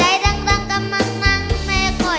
หายใจดังกำลังนั่งแม่ก่อย